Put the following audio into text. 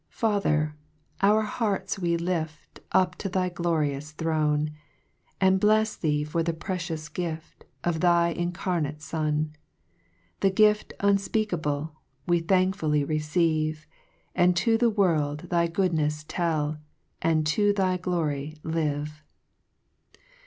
1 TTVVrilER, our hearts we lift, XT Up to thy gracious throne. And blefs Thee for the precious gift, Of thine incarnate Son : The gift unfpeakablc, "We thankfully receive, And to the world thy goodnefs tell, And to thy glory live.